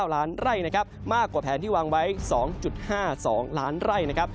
ล้านไร่นะครับมากกว่าแผนที่วางไว้๒๕๒ล้านไร่นะครับ